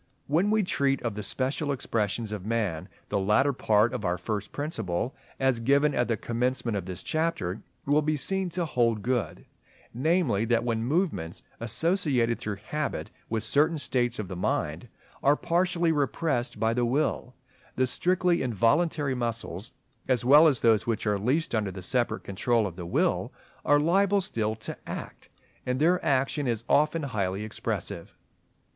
When we treat of the special expressions of man, the latter part of our first Principle, as given at the commencement of this chapter, will be seen to hold good; namely, that when movements, associated through habit with certain states of the mind, are partially repressed by the will, the strictly involuntary muscles, as well as those which are least under the separate control of the will, are liable still to act; and their action is often highly expressive.